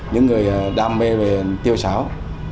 những người đam mê về tiêu xáo